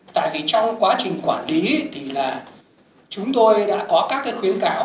tại vì trong quá trình quản lý thì là chúng tôi đã có các cái khuyến cáo